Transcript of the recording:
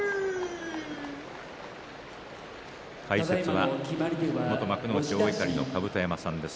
解説は元幕内大碇の甲山さんです。